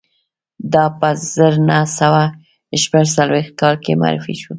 دا په زر نه سوه شپږ څلویښت کال کې معرفي شو